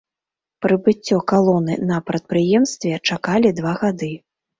Прыбыццё калоны на прадпрыемстве чакалі два гады.